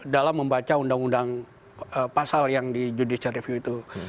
dalam membaca undang undang pasal yang di judicial review itu